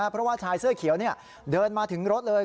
เพราะว่าชายเสื้อเขียวเดินมาถึงรถเลย